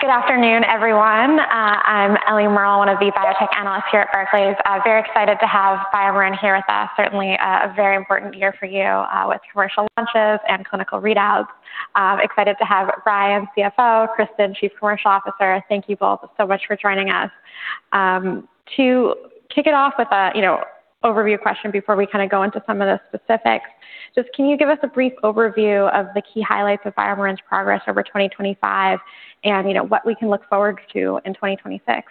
Good afternoon, everyone. I'm Eliana Merle, one of the biotech analysts here at Barclays. Very excited to have BioMarin here with us. Certainly a very important year for you, with commercial launches and clinical readouts. Excited to have Brian, CFO, Cristin, Chief Commercial Officer. Thank you both so much for joining us. To kick it off with a you know overview question before we kind of go into some of the specifics, just can you give us a brief overview of the key highlights of BioMarin's progress over 2025 and, you know, what we can look forward to in 2026?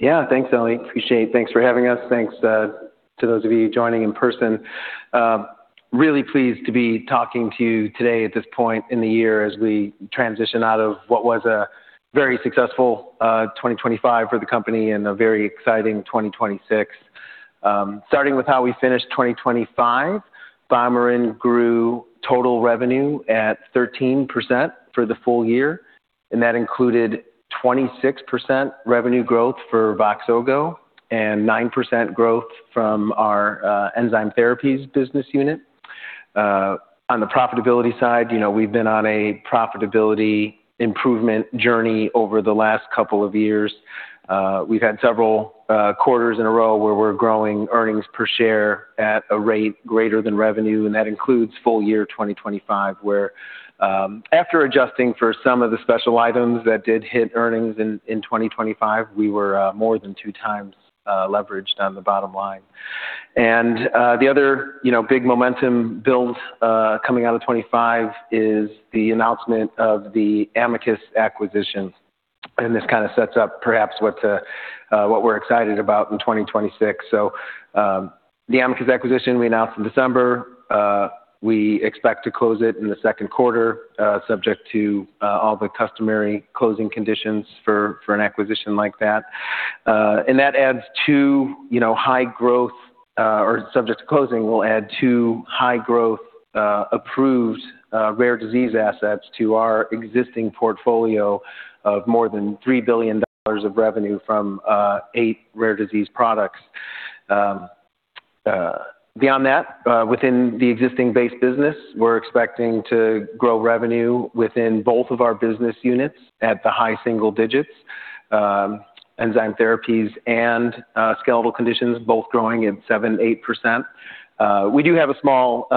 Yeah. Thanks, Ellie. Appreciate it. Thanks for having us. Thanks to those of you joining in person. Really pleased to be talking to you today at this point in the year as we transition out of what was a very successful 2025 for the company and a very exciting 2026. Starting with how we finished 2025, BioMarin grew total revenue at 13% for the full year, and that included 26% revenue growth for Voxzogo and 9% growth from our enzyme therapies business unit. On the profitability side, you know, we've been on a profitability improvement journey over the last couple of years. We've had several quarters in a row where we're growing earnings per share at a rate greater than revenue, and that includes full year 2025, where, after adjusting for some of the special items that did hit earnings in 2025, we were more than 2x leveraged on the bottom line. The other, you know, big momentum build coming out of 2025 is the announcement of the Amicus acquisition. This kind of sets up perhaps what we're excited about in 2026. The Amicus acquisition we announced in December. We expect to close it in the Q2, subject to all the customary closing conditions for an acquisition like that. That adds two, you know—or subject to closing, we'll add two high growth approved rare disease assets to our existing portfolio of more than $3 billion of revenue from eight rare disease products. Beyond that, within the existing base business, we're expecting to grow revenue within both of our business units at the high single digits. Enzyme therapies and skeletal conditions both growing at 7%-8%. We do have a small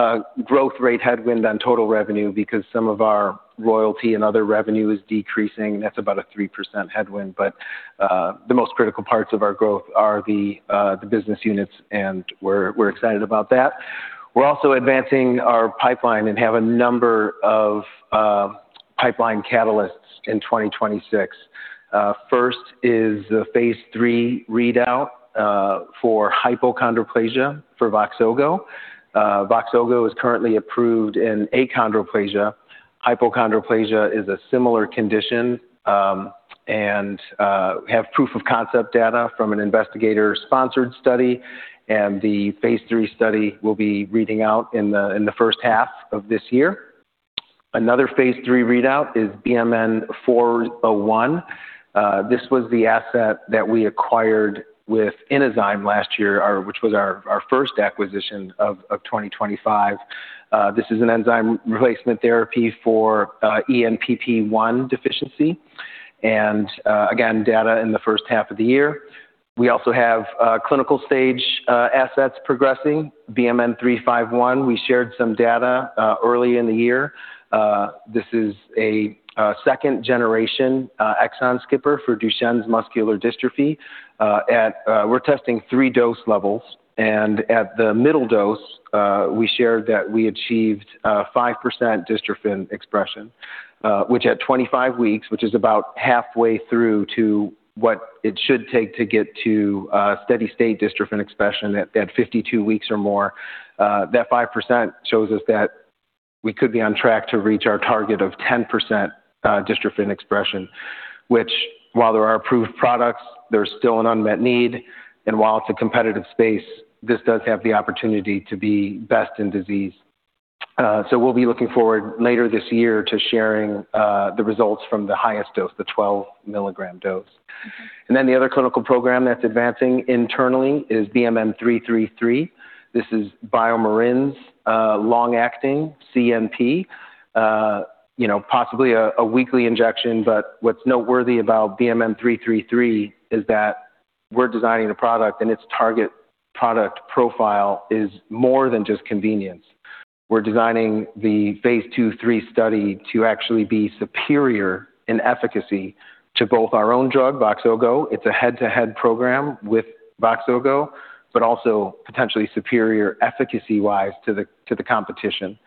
growth rate headwind on total revenue because some of our royalty and other revenue is decreasing. That's about a 3% headwind. The most critical parts of our growth are the business units, and we're excited about that. We're also advancing our pipeline and have a number of pipeline catalysts in 2026. First is the phase III readout for hypochondroplasia for Voxzogo. Voxzogo is currently approved in achondroplasia. Hypochondroplasia is a similar condition, and have proof of concept data from an investigator-sponsored study. The phase III study will be reading out in the first half of this year. Another phase III readout is BMN 401. This was the asset that we acquired with Inozyme last year, our which was our first acquisition of 2025. This is an enzyme replacement therapy for ENPP1 deficiency. Again, data in the first half of the year. We also have clinical stage assets progressing. BMN 351, we shared some data early in the year. This is a second generation exon skipping for Duchenne muscular dystrophy. We're testing three dose levels. At the middle dose, we shared that we achieved 5% dystrophin expression, which at 25 weeks, which is about halfway through to what it should take to get to steady-state dystrophin expression at 52 weeks or more. That 5% shows us that we could be on track to reach our target of 10% dystrophin expression, which while there are approved products, there's still an unmet need. While it's a competitive space, this does have the opportunity to be best in class. We'll be looking forward later this year to sharing the results from the highest dose, the 12-milligram dose. The other clinical program that's advancing internally is BMN 333. This is BioMarin's long-acting CNP. You know, possibly a weekly injection, but what's noteworthy about BMN 333 is that we're designing a product, and its Target Product Profile is more than just convenience. We're designing the phase II, III study to actually be superior in efficacy to both our own drug, Voxzogo. It's a head-to-head program with Voxzogo, but also potentially superior efficacy-wise to the competition.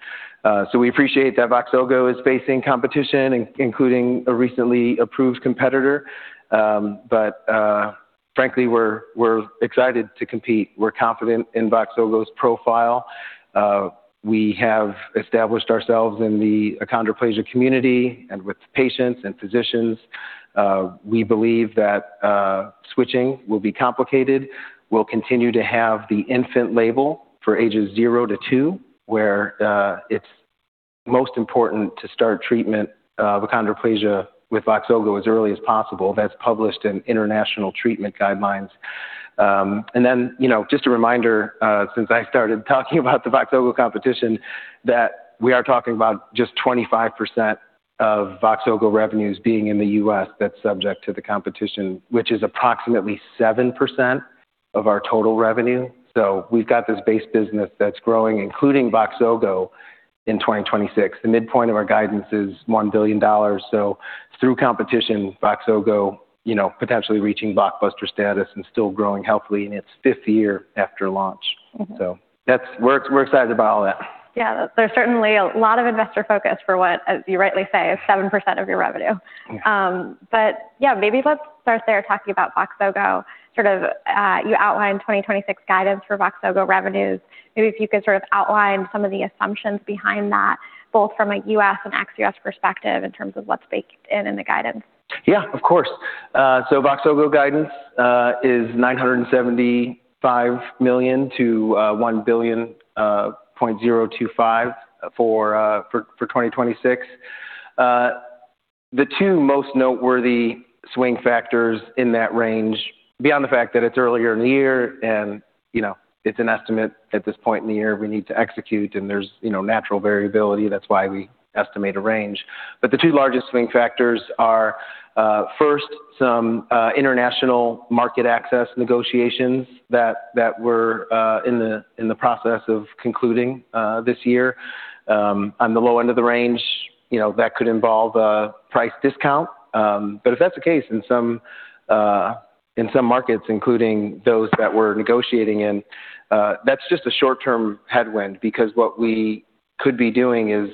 We appreciate that Voxzogo is facing competition including a recently approved competitor. Frankly, we're excited to compete. We're confident in Voxzogo's profile. We have established ourselves in the achondroplasia community and with patients and physicians. We believe that switching will be complicated. We'll continue to have the infant label for ages zero-two, where it's most important to start treatment of achondroplasia with Voxzogo as early as possible. That's published in international treatment guidelines. You know, just a reminder, since I started talking about the Voxzogo competition, that we are talking about just 25% of Voxzogo revenues being in the U.S. that's subject to the competition, which is approximately 7% of our total revenue. We've got this base business that's growing, including Voxzogo in 2026. The midpoint of our guidance is $1 billion. Through competition, Voxzogo, you know, potentially reaching Blockbuster status and still growing healthily in its fifth year after launch. Mm-hmm. We're excited about all that. Yeah. There's certainly a lot of investor focus for what, as you rightly say, is 7% of your revenue. Yeah. Yeah, maybe let's start there talking about Voxzogo. Sort of, you outlined 2026 guidance for Voxzogo revenues. Maybe if you could sort of outline some of the assumptions behind that, both from a U.S. and ex-U.S. perspective in terms of what's baked in the guidance. Yeah, of course. Voxzogo guidance is $975 million-$1.025 billion for 2026. The two most noteworthy swing factors in that range, beyond the fact that it's earlier in the year and, you know, it's an estimate at this point in the year, we need to execute and there's, you know, natural variability, that's why we estimate a range. The two largest swing factors are, first, some international market access negotiations that we're in the process of concluding this year. On the low end of the range, you know, that could involve a price discount. If that's the case in some markets, including those that we're negotiating in, that's just a short-term headwind because what we could be doing is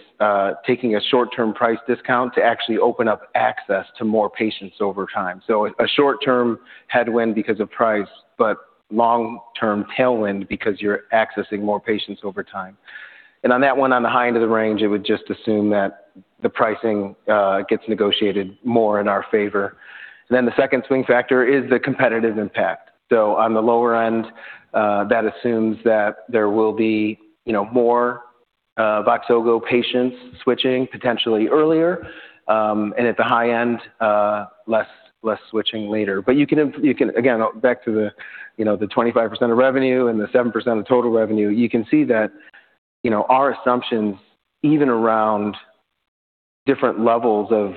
taking a short-term price discount to actually open up access to more patients over time. A short-term headwind because of price, but long-term tailwind because you're accessing more patients over time. On that one, on the high end of the range, it would just assume that the pricing gets negotiated more in our favor. The second swing factor is the competitive impact. On the lower end, that assumes that there will be, you know, more Voxzogo patients switching potentially earlier, and at the high end, less switching later. You can again, back to the, you know, the 25% of revenue and the 7% of total revenue, you can see that, you know, our assumptions, even around different levels of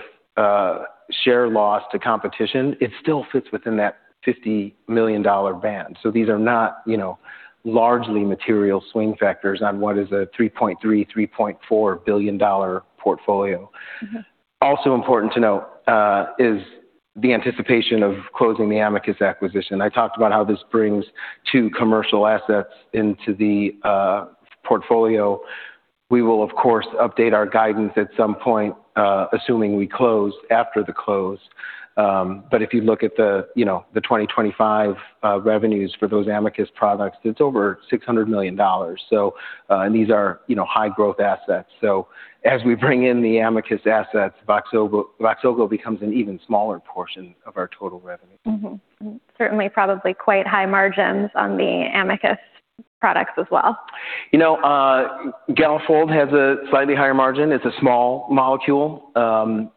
share loss to competition, it still fits within that $50 million band. These are not, you know, largely material swing factors on what is a $3.3-$3.4 billion portfolio. Mm-hmm. Also important to note is the anticipation of closing the Amicus acquisition. I talked about how this brings two commercial assets into the portfolio. We will, of course, update our guidance at some point, assuming we close after the close. But if you look at the, you know, the 2025 revenues for those Amicus products, it's over $600 million. And these are, you know, high-growth assets. So as we bring in the Amicus assets, Voxzogo becomes an even smaller portion of our total revenue. Certainly probably quite high margins on the Amicus products as well. You know, Galafold has a slightly higher margin. It's a small molecule. The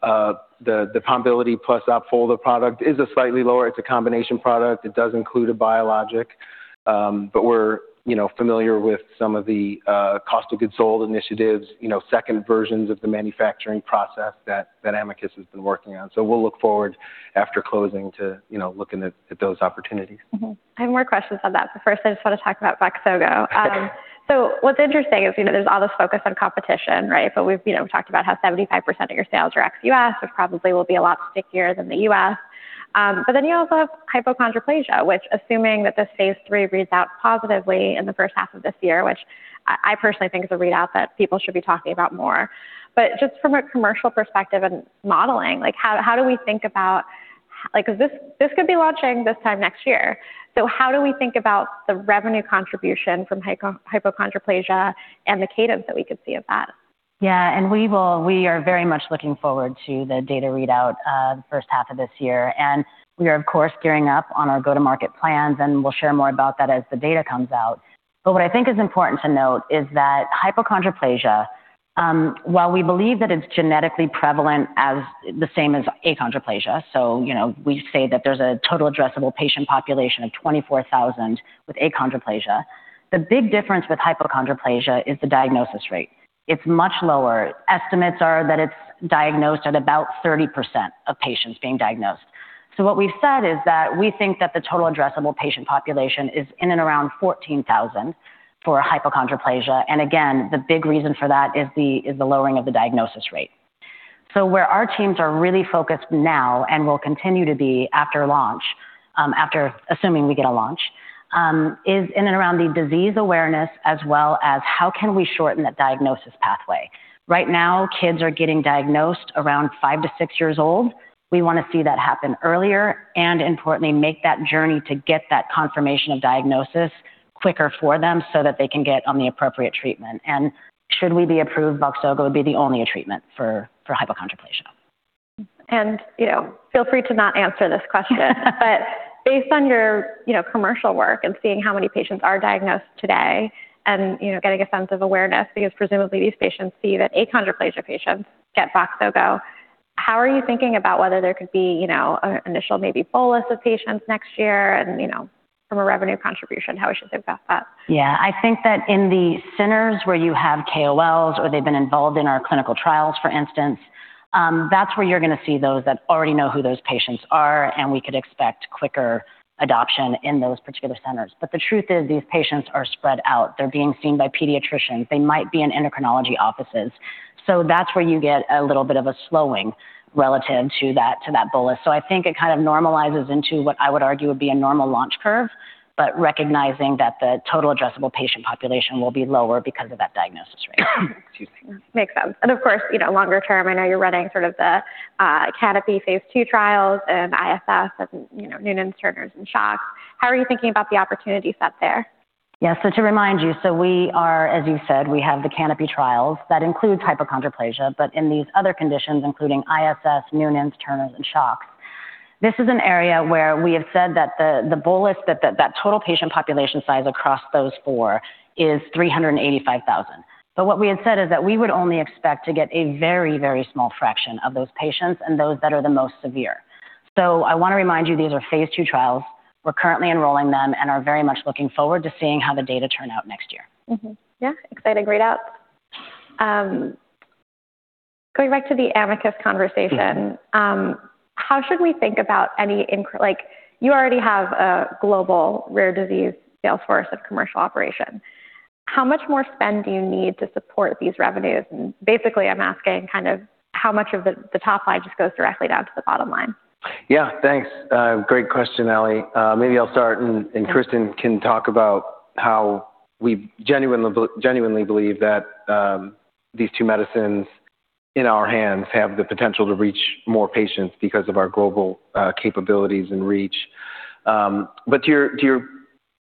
Pombiliti plus Opfolda product is a slightly lower. It's a combination product. It does include a biologic. But we're, you know, familiar with some of the cost of goods sold initiatives, you know, second versions of the manufacturing process that Amicus has been working on. We'll look forward after closing to, you know, looking at those opportunities. I have more questions on that, but first, I just want to talk about Voxzogo. Okay. What's interesting is, you know, there's all this focus on competition, right? We've, you know, talked about how 75% of your sales are ex-U.S., which probably will be a lot stickier than the U.S. Then you also have hypochondroplasia, which assuming that the phase III reads out positively in the first half of this year, which I personally think is a readout that people should be talking about more. Just from a commercial perspective and modeling, like, how do we think about, like, 'cause this could be launching this time next year. How do we think about the revenue contribution from hypochondroplasia and the cadence that we could see of that? Yeah. We are very much looking forward to the data readout, the first half of this year. We are, of course, gearing up on our go-to-market plans, and we'll share more about that as the data comes out. What I think is important to note is that hypochondroplasia, while we believe that it's genetically prevalent as the same as achondroplasia, so, you know, we say that there's a total addressable patient population of 24,000 with achondroplasia. The big difference with hypochondroplasia is the diagnosis rate. It's much lower. Estimates are that it's diagnosed at about 30% of patients being diagnosed. What we've said is that we think that the total addressable patient population is in and around 14,000 for hypochondroplasia. The big reason for that is the lowering of the diagnosis rate. Where our teams are really focused now and will continue to be after launch, after assuming we get a launch, is in and around the disease awareness, as well as how can we shorten that diagnosis pathway. Right now, kids are getting diagnosed around five-six years old. We want to see that happen earlier and importantly, make that journey to get that confirmation of diagnosis quicker for them so that they can get on the appropriate treatment. Should we be approved, Voxzogo would be the only treatment for hypochondroplasia. you know, feel free to not answer this question. Based on your, you know, commercial work and seeing how many patients are diagnosed today and, you know, getting a sense of awareness, because presumably these patients see that achondroplasia patients get Voxzogo. How are you thinking about whether there could be, you know, initial maybe full list of patients next year and, you know, from a revenue contribution, how we should think about that? Yeah. I think that in the centers where you have KOLs or they've been involved in our clinical trials, for instance, that's where you're gonna see those that already know who those patients are, and we could expect quicker adoption in those particular centers. But the truth is these patients are spread out. They're being seen by pediatricians. They might be in endocrinology offices. So that's where you get a little bit of a slowing relative to that bullet. So I think it kind of normalizes into what I would argue would be a normal launch curve, but recognizing that the total addressable patient population will be lower because of that diagnosis rate. Excuse me. Makes sense. Of course, you know, longer term, I know you're running sort of the CANOPY phase II trials and ISS and, you know, Noonan’s, Turner’s, and SHOX. How are you thinking about the opportunity set there? Yeah. To remind you, we are, as you said, we have the CANOPY trials that include hypochondroplasia, but in these other conditions, including ISS, Noonan’s, Turner’s, and SHOX. This is an area where we have said that the bullets that total patient population size across those four is 385,000. What we had said is that we would only expect to get a very, very small fraction of those patients and those that are the most severe. I want to remind you, these are phase II trials. We're currently enrolling them and are very much looking forward to seeing how the data turn out next year. Exciting readout. Going back to the Amicus conversation, how should we think about any—like, you already have a global rare disease sales force and commercial operation. How much more spend do you need to support these revenues? Basically, I'm asking kind of how much of the top line just goes directly down to the bottom line. Yeah. Thanks. Great question, Eliana. Maybe I'll start, and Cristin can talk about how we genuinely believe that these two medicines in our hands have the potential to reach more patients because of our global capabilities and reach. To your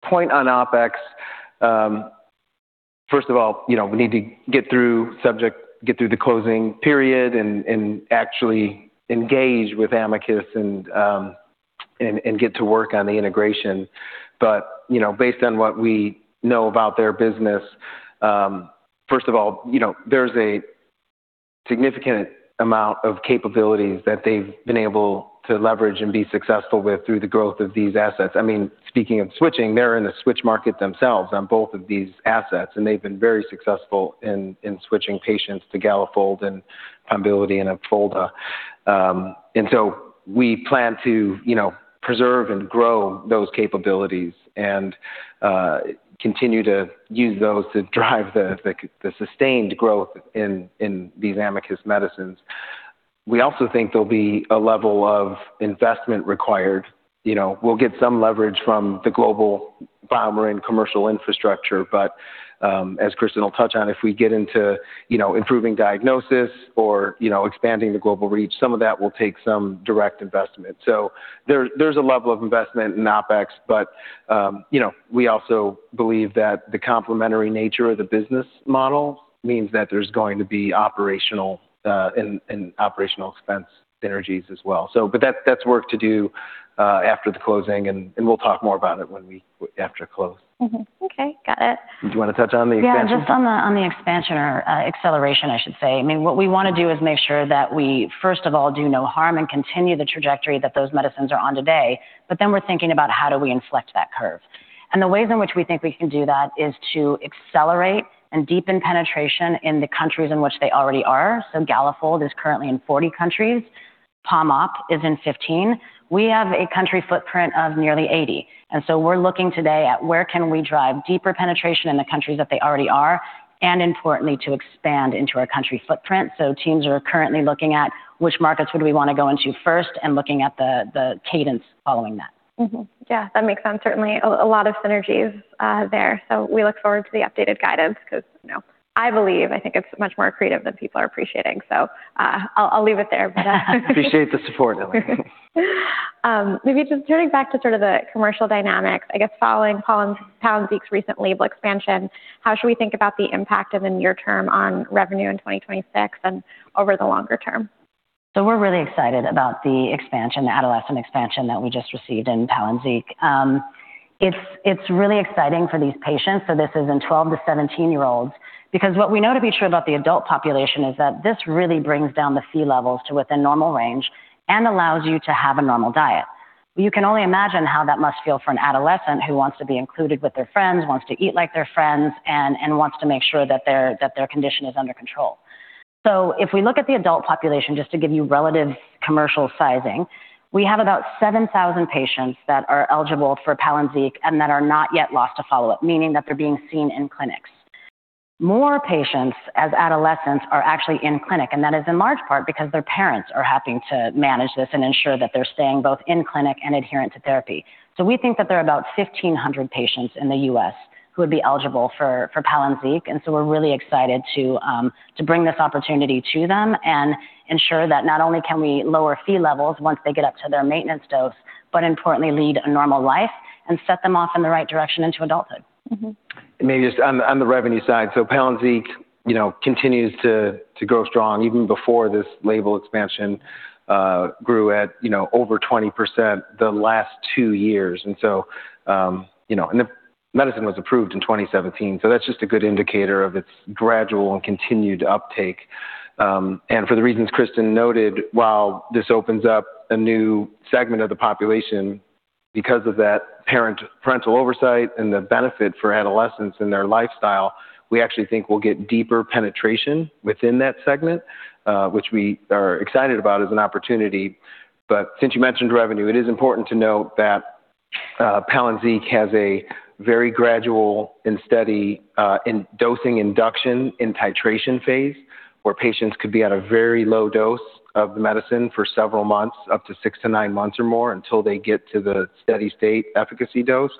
point on OpEx, first of all, you know, we need to get through the closing period and actually engage with Amicus and get to work on the integration. Based on what we know about their business, first of all, you know, there's a significant amount of capabilities that they've been able to leverage and be successful with through the growth of these assets. I mean, speaking of switching, they're in the switch market themselves on both of these assets, and they've been very successful in switching patients to Galafold and Pombiliti and Opfolda. We plan to, you know, preserve and grow those capabilities and continue to use those to drive the sustained growth in these Amicus medicines. We also think there'll be a level of investment required. You know, we'll get some leverage from the global BioMarin and commercial infrastructure. As Cristin will touch on, if we get into, you know, improving diagnosis or, you know, expanding the global reach, some of that will take some direct investment. There's a level of investment in OpEx, but you know, we also believe that the complementary nature of the business model means that there's going to be operational and operational expense synergies as well. That's work to do after the closing, and we'll talk more about it after close. Mm-hmm. Okay. Got it. Do you want to touch on the expansion? Yeah. Just on the expansion or acceleration, I should say. I mean, what we want to do is make sure that we first of all do no harm and continue the trajectory that those medicines are on today. We're thinking about how do we inflect that curve. The ways in which we think we can do that is to accelerate and deepen penetration in the countries in which they already are. Galafold is currently in 40 countries. Pombiliti is in 15. We have a country footprint of nearly 80. We're looking today at where can we drive deeper penetration in the countries that they already are, and importantly, to expand into our country footprint. Teams are currently looking at which markets would we want to go into first and looking at the cadence following that. Yeah. That makes sense. Certainly a lot of synergies there. We look forward to the updated guidance because, you know, I believe, I think it's much more accretive than people are appreciating. I'll leave it there. Appreciate the support, Ellie. Maybe just turning back to sort of the commercial dynamics, I guess following Palynziq's recent label expansion, how should we think about the impact of the near term on revenue in 2026 and over the longer term? We're really excited about the expansion, the adolescent expansion that we just received in Palynziq. It's really exciting for these patients, so this is in 12 to 17-year-olds. Because what we know to be true about the adult population is that this really brings down the Phe levels to within normal range and allows you to have a normal diet. You can only imagine how that must feel for an adolescent who wants to be included with their friends, wants to eat like their friends, and wants to make sure that their condition is under control. If we look at the adult population, just to give you relative commercial sizing, we have about 7,000 patients that are eligible for Palynziq and that are not yet lost to follow-up, meaning that they're being seen in clinics. More patients as adolescents are actually in clinic, and that is in large part because their parents are having to manage this and ensure that they're staying both in clinic and adherent to therapy. We think that there are about 1,500 patients in the U.S. who would be eligible for Palynziq. We're really excited to bring this opportunity to them and ensure that not only can we lower Phe levels once they get up to their maintenance dose, but importantly lead a normal life and set them off in the right direction into adulthood. Mm-hmm. Maybe just on the revenue side. Palynziq, you know, continues to grow strong even before this label expansion, grew at, you know, over 20% the last two years. The medicine was approved in 2017, so that's just a good indicator of its gradual and continued uptake. For the reasons Cristin noted, while this opens up a new segment of the population because of that parental oversight and the benefit for adolescents and their lifestyle, we actually think we'll get deeper penetration within that segment, which we are excited about as an opportunity. Since you mentioned revenue, it is important to note that Palynziq has a very gradual and steady in dosing induction and titration phase where patients could be at a very low dose of the medicine for several months, up to six-nine months or more until they get to the steady-state efficacy dose.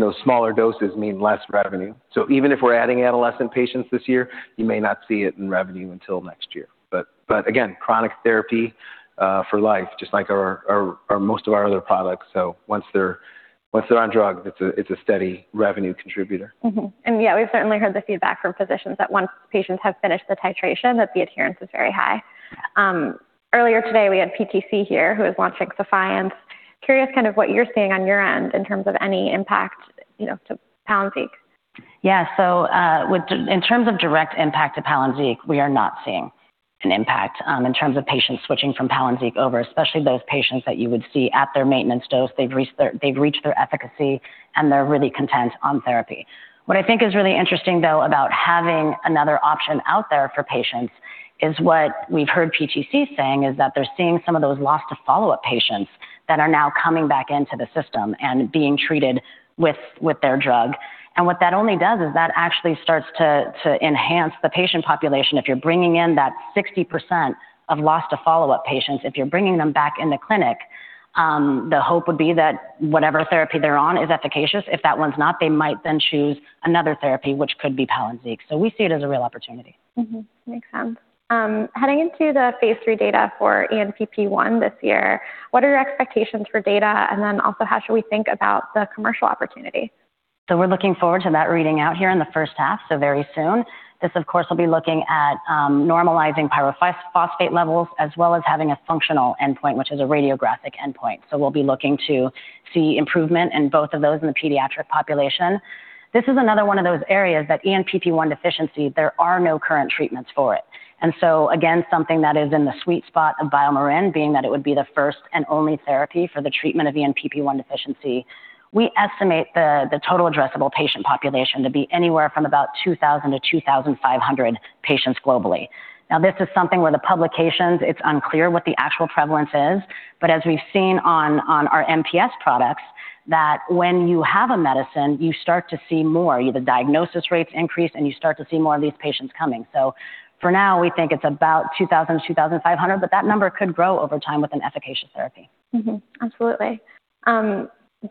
Those smaller doses mean less revenue. Even if we're adding adolescent patients this year, you may not see it in revenue until next year. Again, chronic therapy for life, just like our most of our other products. Once they're on drug, it's a steady revenue contributor. Yeah, we've certainly heard the feedback from physicians that once patients have finished the titration that the adherence is very high. Earlier today we had PTC here who is launching Sephience. I'm curious kind of what you're seeing on your end in terms of any impact, you know, to Palynziq. Yeah. In terms of direct impact to Palynziq, we are not seeing an impact in terms of patients switching from Palynziq over, especially those patients that you would see at their maintenance dose. They've reached their efficacy and they're really content on therapy. What I think is really interesting though about having another option out there for patients is what we've heard PTC saying is that they're seeing some of those lost to follow-up patients that are now coming back into the system and being treated with their drug. What that only does is that actually starts to enhance the patient population. If you're bringing in that 60% of lost to follow-up patients, if you're bringing them back in the clinic, the hope would be that whatever therapy they're on is efficacious. If that one's not, they might then choose another therapy, which could be Palynziq. We see it as a real opportunity. Mm-hmm. Makes sense. Heading into the phase III data for ENPP1 this year, what are your expectations for data? How should we think about the commercial opportunity? We're looking forward to that reading out here in the first half, so very soon. This of course will be looking at normalizing pyrophosphate levels as well as having a functional endpoint, which is a radiographic endpoint. We'll be looking to see improvement in both of those in the pediatric population. This is another one of those areas that ENPP1 deficiency, there are no current treatments for it. Again, something that is in the sweet spot of BioMarin being that it would be the first and only therapy for the treatment of ENPP1 deficiency. We estimate the total addressable patient population to be anywhere from about 2,000-2,500 patients globally. Now this is something where the publications, it's unclear what the actual prevalence is, but as we've seen on our MPS products that when you have a medicine, you start to see more. The diagnosis rates increase, and you start to see more of these patients coming. For now we think it's about 2,000-2,500, but that number could grow over time with an efficacious therapy.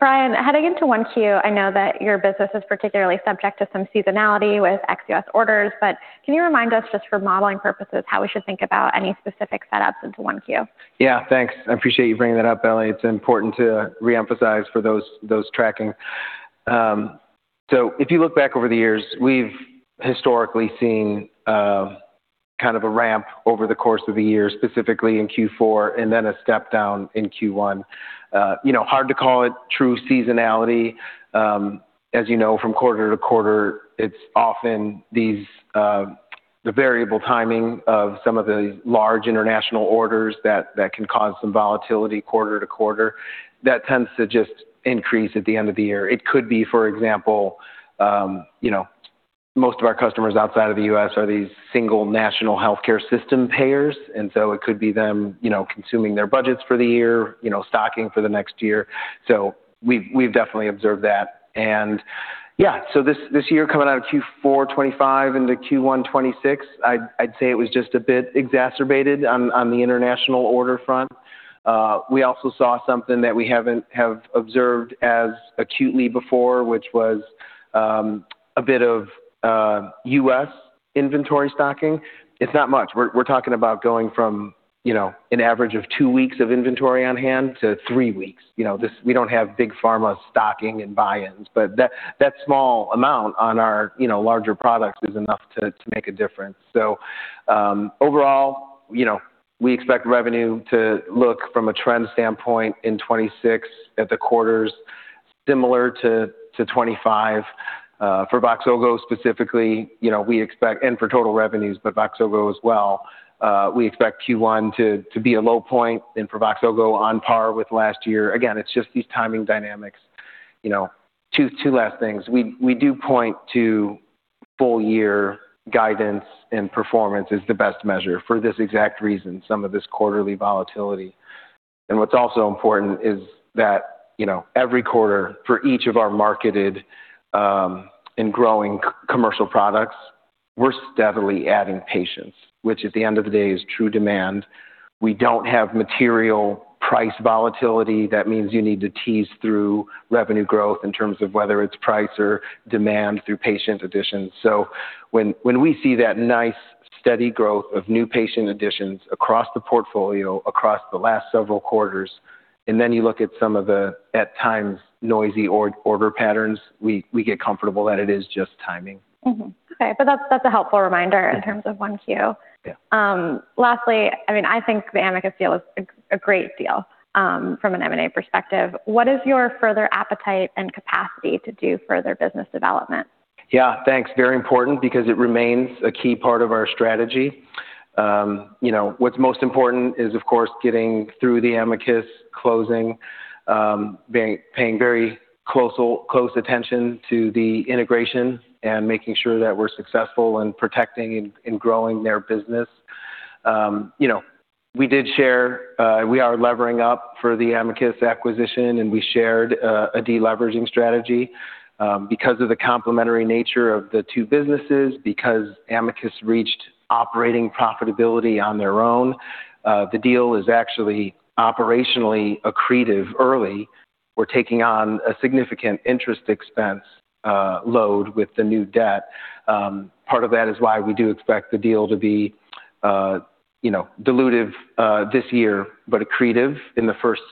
Brian, heading into Q1, I know that your business is particularly subject to some seasonality with ex-U.S. orders, but can you remind us just for modeling purposes how we should think about any specific setups into Q1? Yeah, thanks. I appreciate you bringing that up, Ellie. It's important to reemphasize for those tracking. So if you look back over the years, we've historically seen kind of a ramp over the course of the year, specifically in Q4 and then a step down in Q1. You know, hard to call it true seasonality. As you know, from quarter-to-quarter it's often these the variable timing of some of the large international orders that can cause some volatility quarter-to-quarter that tends to just increase at the end of the year. It could be, for example, you know, most of our customers outside of the U.S. are these single national healthcare system payers, and so it could be them, you know, consuming their budgets for the year, you know, stocking for the next year. We've definitely observed that. This year coming out of Q4 2025 into Q1 2026, I'd say it was just a bit exacerbated on the international order front. We also saw something that we haven't observed as acutely before, which was a bit of U.S. inventory stocking. It's not much. We're talking about going from, you know, an average of two weeks of inventory on hand to three weeks. This. We don't have big pharma stocking and buy-ins, but that small amount on our, you know, larger products is enough to make a difference. Overall, you know, we expect revenue to look from a trend standpoint in 2026 at the quarters similar to 2025. For Voxzogo specifically, you know, we expect and for total revenues, but Voxzogo as well, we expect Q1 to be a low point and for Voxzogo on par with last year. Again, it's just these timing dynamics. You know, two last things. We do point to full year guidance and performance as the best measure for this exact reason, some of this quarterly volatility. What's also important is that, you know, every quarter for each of our marketed and growing commercial products, we're steadily adding patients, which at the end of the day is true demand. We don't have material price volatility. That means you need to tease out revenue growth in terms of whether it's price or demand through patient additions. When we see that nice steady growth of new patient additions across the portfolio, across the last several quarters, and then you look at some of the at times noisy reorder patterns, we get comfortable that it is just timing. Okay. That's a helpful reminder in terms of one Q. Yeah. Lastly, I mean, I think the Amicus deal is a great deal from an M&A perspective. What is your further appetite and capacity to do further business development? Yeah, thanks. Very important because it remains a key part of our strategy. You know, what's most important is, of course, getting through the Amicus closing, paying very close attention to the integration and making sure that we're successful in protecting and growing their business. You know, we did share, we are levering up for the Amicus acquisition, and we shared a deleveraging strategy, because of the complementary nature of the two businesses, because Amicus reached operating profitability on their own. The deal is actually operationally accretive early. We're taking on a significant interest expense load with the new debt. Part of that is why we do expect the deal to be, you know, dilutive, this year, but accretive in the first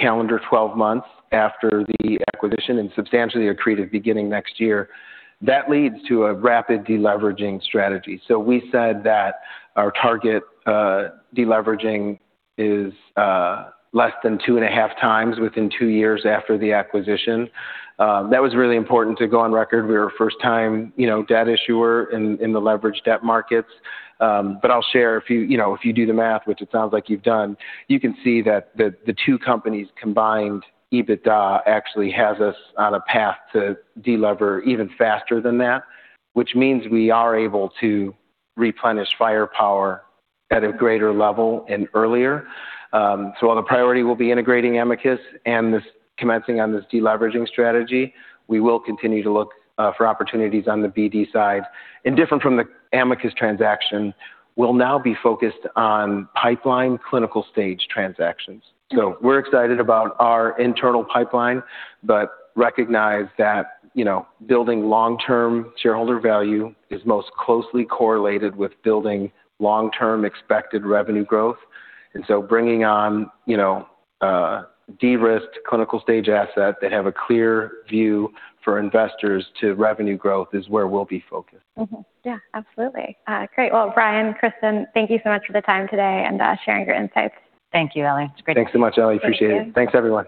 calendar 12 months after the acquisition and substantially accretive beginning next year. That leads to a rapid deleveraging strategy. We said that our target deleveraging is less than 2.5x within two years after the acquisition. That was really important to go on record. We were first-time, you know, debt issuer in the leveraged debt markets. I'll share if you know, if you do the math, which it sounds like you've done, you can see that the two companies combined EBITDA actually has us on a path to delever even faster than that, which means we are able to replenish firepower at a greater level and earlier. While the priority will be integrating Amicus and commencing on this deleveraging strategy, we will continue to look for opportunities on the BD side. Different from the Amicus transaction, we'll now be focused on pipeline clinical stage transactions. We're excited about our internal pipeline, but recognize that, you know, building long-term shareholder value is most closely correlated with building long-term expected revenue growth. Bringing on, you know, a de-risked clinical stage asset that have a clear view for investors to revenue growth is where we'll be focused. Yeah, absolutely. Great. Well, Brian, Cristin, thank you so much for the time today and sharing your insights. Thank you, Ellie. It's great to be here. Thanks so much, Ellie. Appreciate it. Thank you. Thanks, everyone.